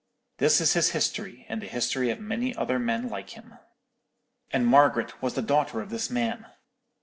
This is his history, and the history of many other men like him.' "And Margaret was the daughter of this man.